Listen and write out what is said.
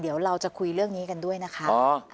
เดี๋ยวเราจะคุยเรื่องนี้กันด้วยนะคะ